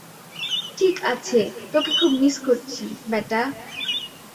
ঠিক আছে, তোকে খুব মিস করছি, বেটা।